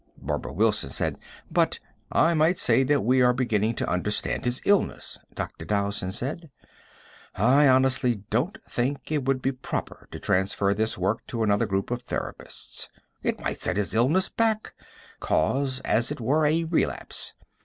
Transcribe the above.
Barbara Wilson said: "But " "I might say that we are beginning to understand his illness," Dr. Dowson said. "I honestly don't think it would be proper to transfer this work to another group of therapists. It might set his illness back cause, as it were, a relapse.